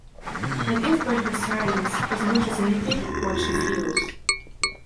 I guess by her silence, as much as anything, what she feels.